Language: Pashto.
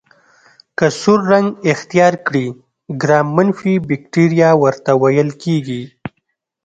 که سور رنګ اختیار کړي ګرام منفي بکټریا ورته ویل کیږي.